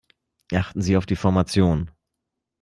Achten Sie auf die Formation.